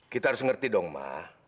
kita harus ngerti dong mah